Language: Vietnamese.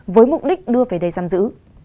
với mục đích đưa về đây giam giữ